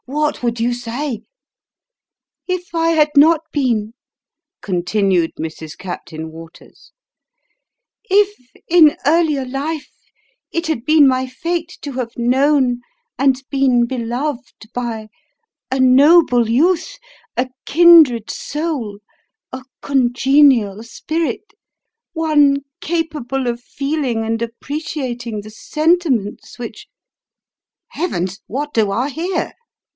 What would you say ?" "If I had not been" continued Mrs. Captain Waters "if, in 262 Sketches by Boz. earlier life, it had been my fate to have known, and been beloved by a noble youth a kindred soul a congenial spirit one capable of feel ing and appreciating the sentiments which "" Heavens ! what do I hear ?